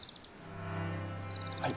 はい？